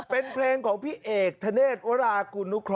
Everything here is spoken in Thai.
เป็นเพลงของพี่เอกธเนธวรากุนุเคราะ